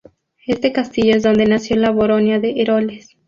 Este castillo es donde nació la baronía de Eroles.